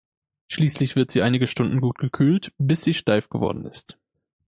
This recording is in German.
Schließlich wird sie einige Stunden gut gekühlt bis sie steif geworden ist.